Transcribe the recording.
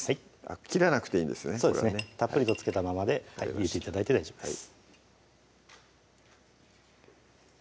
切らなくていいんですよねたっぷりと付けたままで入れて頂いて大丈夫です